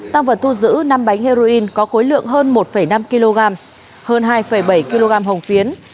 tăng vật thu giữ năm bánh heroin có khối lượng hơn một năm kg hơn hai bảy kg hồng phiến